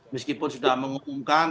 meskipun sudah mengumumkan